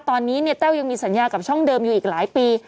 ตอนนี้เนี่ยแต้วยังมีสัญญากับช่องเดิมอยู่อีกหลายปี